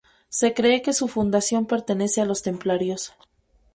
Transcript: Se cree que su fundación pertenece a los templarios.